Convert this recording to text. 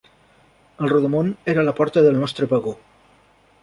El rodamon era a la porta del nostre vagó.